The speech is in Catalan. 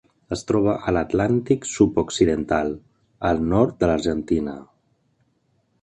Es troba a l'Atlàntic sud-occidental: el nord de l'Argentina.